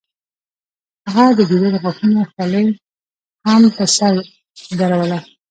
هغه د ګیدړې غاښونو خولۍ هم په سر درلوده.